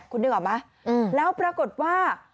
คุณนึกออกไหมแล้วปรากฏว่า